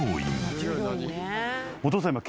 お父さん今。